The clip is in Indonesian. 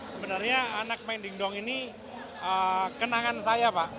sebenarnya anak main dingdong ini kenangan saya pak